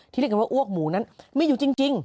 เรียกกันว่าอ้วกหมูนั้นไม่อยู่จริง